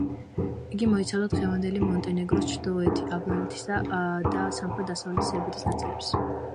იგი მოიცავდა დღევანდელი მონტენეგროს, ჩრდილოეთი ალბანეთისა და სამხრეთ-დასავლეთი სერბეთის ნაწილებს.